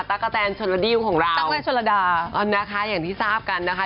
ตั๊กกะแตนชนดราดิลของเราตั๊กแม่ชนดรานะคะอย่างที่ทราบกันนะคะ